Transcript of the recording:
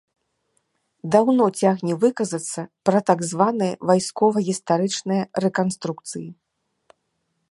Даўно цягне выказацца пра так званыя вайскова-гістарычныя рэканструкцыі.